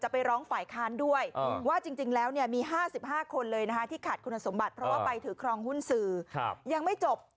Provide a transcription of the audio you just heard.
ทั้งผ่ายคลานแล้วก็หน้าภาครรัฐบาล